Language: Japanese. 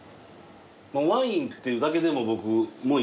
ワインっていうだけでも僕もういいわって。